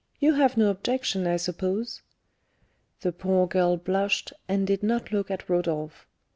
You have no objection, I suppose?" The poor girl blushed, and did not look at Rodolph.